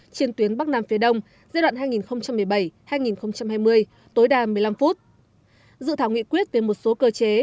trên tuyến bắc nam phía đông giai đoạn hai nghìn một mươi bảy hai nghìn hai mươi tối đa một mươi năm phút dự thảo nghị quyết về một số cơ chế